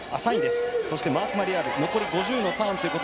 そしてマーク・マリヤール残り５０のターン。